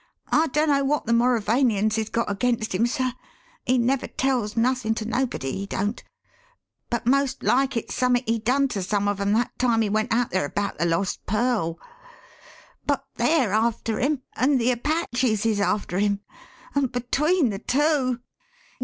I dunno wot the Mauravanians is got against him, sir (he never tells nothin' to nobody, he don't), but most like it's summink he done to some of 'em that time he went out there about the lost pearl; but they're after him, and the Apaches is after him, and between the two!...